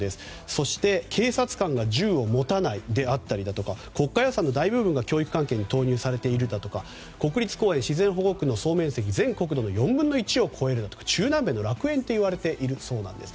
そして、警察官が銃を持たないであったり国家予算の大部分が教育関係に投入されているだとか国立公園、自然保護区の総面積全国の４分の１を超えるとか中南米の楽園といわれているそうです。